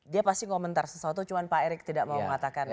dia pasti komentar sesuatu cuma pak erick tidak mau mengatakan